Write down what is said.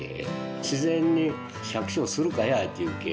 自然に「百姓するかや？」って言うけ。